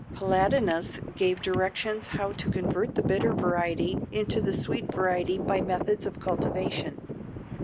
Palladinus gave directions how to convert the bitter variety into the sweet variety by methods of cultivation.